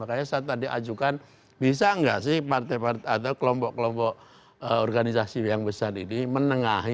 makanya saya tadi ajukan bisa nggak sih partai partai atau kelompok kelompok organisasi yang besar ini menengahi